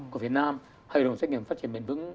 của việt nam hội đồng doanh nghiệp phát triển bền vững